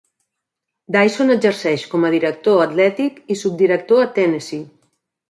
Dyson exerceix com a director atlètic i subdirector a Tennessee.